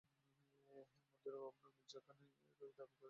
হেলমান্দের governor Mirza Khan Rahimi দাবি করেছেন, শহরটি সরকারের নিয়ন্ত্রণে আছে।